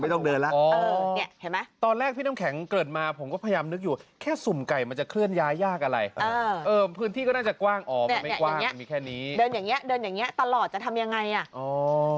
เห็นไหมตอนแรกพี่น้ำแข็งเกิดมาผมก็พยายามนึกอยู่แค่สุ่มไก่มันจะเคลื่อนย้ายยากอะไรพื้นที่ก็น่าจะกว้างออกเนี่ยมีแค่นี้เดินอย่างเงี้เดินอย่างเงี้ตลอดจะทำยังไงอ่ะ